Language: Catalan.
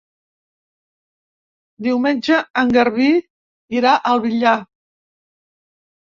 Diumenge en Garbí irà al Villar.